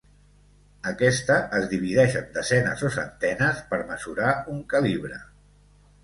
Aquesta es divideix en desenes o centenes per mesurar un calibre.